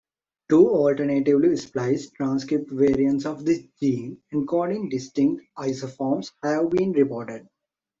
Two alternatively spliced transcript variants of this gene encoding distinct isoforms have been reported.